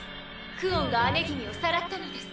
クオンが姉君をさらったのです。